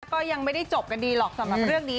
ก็ยังไม่ได้จบกันดีหรอกสำหรับเรื่องนี้